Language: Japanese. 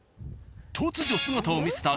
突如姿を見せた。